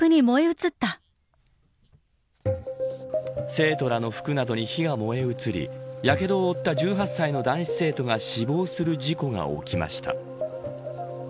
生徒らの服などに火が燃え移りやけどを負った１８歳の男子生徒が死亡する事故が起きました。